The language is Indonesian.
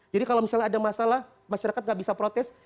jadi kalau misalnya ada masalah masyarakat gak bisa protes